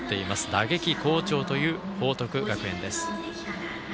打撃好調という報徳学園です。